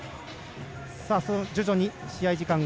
徐々に試合時間